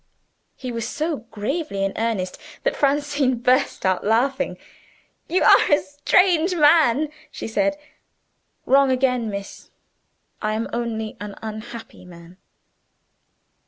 He was so gravely in earnest that Francine burst out laughing. "You are a strange man," she said. "Wrong again, miss. I am only an unhappy man."